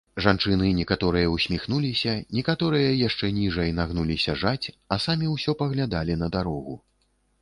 Жанчыны некаторыя ўсміхнуліся, некаторыя яшчэ ніжай нагнуліся жаць, а самі ўсё паглядалі на дарогу.